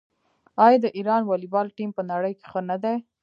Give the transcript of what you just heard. آیا د ایران والیبال ټیم په نړۍ کې ښه نه دی؟